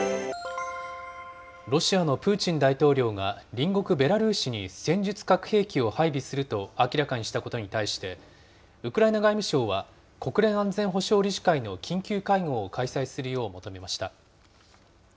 ロシアのプーチン大統領が隣国ベラルーシに戦術核兵器を配備すると明らかにしたことに対して、ウクライナ外務省は国連安全保障理事会の緊急会合を開催するよう求めました。